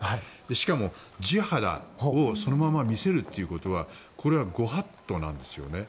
しかも、地肌をそのまま見せるということはこれはご法度なんですよね。